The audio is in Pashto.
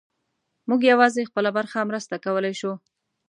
موږ یوازې خپله برخه مرسته کولی شو.